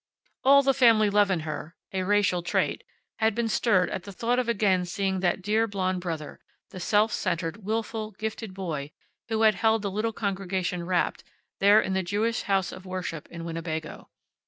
All the family love in her, a racial trait, had been stirred at the thought of again seeing that dear blond brother, the self centered, willful, gifted boy who had held the little congregation rapt, there in the Jewish house of worship in Winnebago.